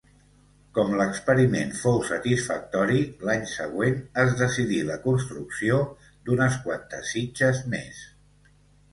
Com l'experiment fou satisfactori, l'any següent es decidí la construcció d'unes quantes sitges més.